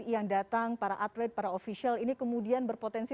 yang datang para atlet para ofisial ini kemudian berpotensi